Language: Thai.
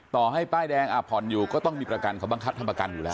ต่อให้ป้ายแดงผ่อนอยู่ก็ต้องมีประกันเขาบังคับทำประกันอยู่แล้ว